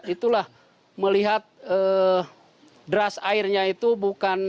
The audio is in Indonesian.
itulah melihat deras airnya itu bukan